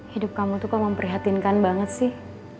hidup kamu tuh memprihatinkan banget sih